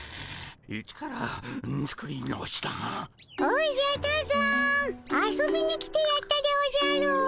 おじゃ多山遊びに来てやったでおじゃる。